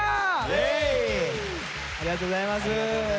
ありがとうございます。